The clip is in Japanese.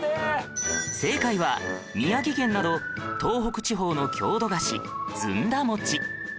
正解は宮城県など東北地方の郷土菓子ずんだ餅